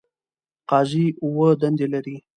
قاضی اووه دندې لري.